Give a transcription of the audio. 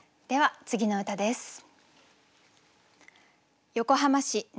では次の歌です。